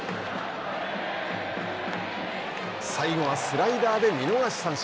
最後はスライダーで見逃し三振。